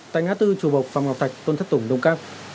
tại ngã tư chùa bộc phạm ngọc thạch tôn thất tùng đông cát